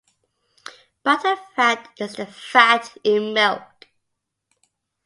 Butterfat is the fat in milk.